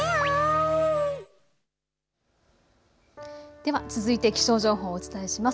では続いて気象情報をお伝えします。